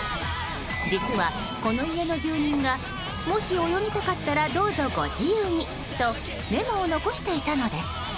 実は、この家の住人がもし泳ぎたかったらどうぞ、ご自由にとメモを残していたのです。